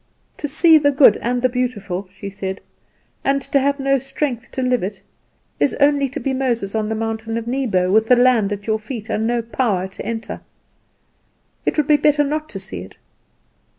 "To see the good and the beautiful," she said, "and to have no strength to live it, is only to be Moses on the mountain of Nebo, with the land at your feet and no power to enter. It would be better not to see it.